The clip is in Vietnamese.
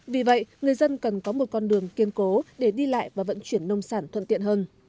vì vậy người dân cần có một con đường kiên cố để đi lại và vận chuyển nông sản thuận tiện hơn